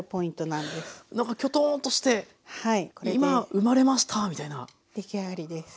なんかきょとんとして「今生まれました」みたいな。出来上がりです。